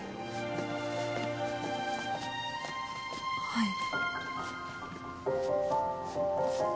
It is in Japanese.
はい。